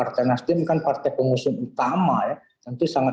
agenda agenda pak jokowi apalagi partai nasdem kan partai pengusung utama ya tentu sangat